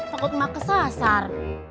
takut emak kesasar